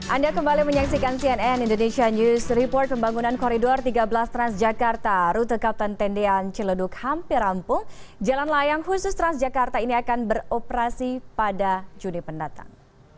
anda kembali menyaksikan cnn indonesia news report pembangunan koridor tiga belas transjakarta rute kapten tendean ciledug hampir rampung jalan layang khusus transjakarta ini akan beroperasi pada juni pendatang